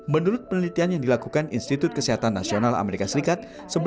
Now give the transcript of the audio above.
menurut penelitian yang dilakukan institut kesehatan nasional amerika serikat